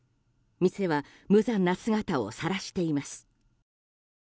店は、無残な姿をさらしています。